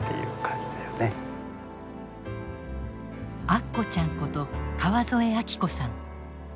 アッコちゃんこと川添明子さん。